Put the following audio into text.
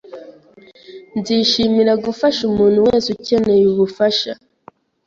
Nzishimira gufasha umuntu wese ukeneye ubufasha